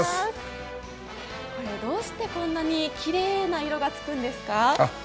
どうして、こんなにきれいな色がつくんですか？